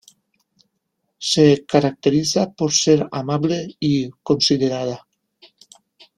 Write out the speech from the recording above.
Se caracteriza por ser amable y considerada.